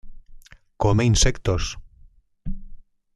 Come insectos.